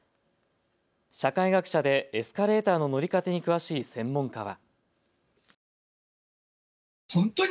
社会学者でエスカレーターの乗り方に詳しい専門家は。